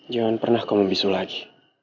jangan pernah kamu bisu lagi